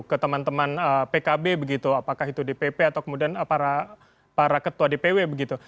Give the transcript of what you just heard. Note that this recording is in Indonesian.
ke teman teman pkb begitu apakah itu dpp atau kemudian para ketua dpw begitu